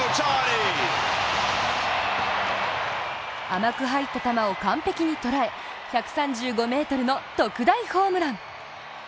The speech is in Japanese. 甘く入った球を完璧に捉え１３５ｍの特大ホームラン。